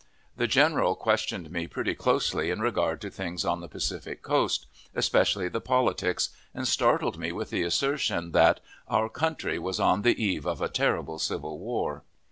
The general questioned me pretty closely in regard to things on the Pacific coast, especially the politics, and startled me with the assertion that "our country was on the eve of a terrible civil war."